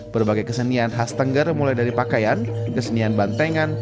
berbagai kesenian khas tengger mulai dari pakaian kesenian bantengan